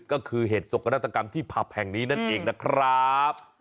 ก็คือเหตุสกนาฏกรรมที่ผับแห่งนี้นั่นเองนะครับ